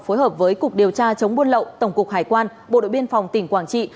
phối hợp với cục điều tra chống buôn lậu tổng cục hải quan bộ đội biên phòng tỉnh quảng trị